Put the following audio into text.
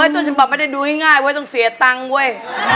ต้นฉบับไม่ได้ดูง่ายว่าต้องเสียตังค์เว้ย